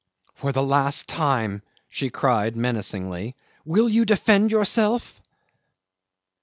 "For the last time," she cried menacingly, "will you defend yourself?"